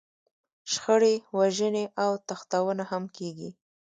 شخړې، وژنې او تښتونه هم کېږي.